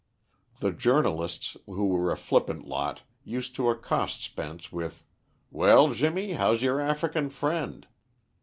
The journalists, who were a flippant lot, used to accost Spence with "Well, Jimmy, how's your African friend?"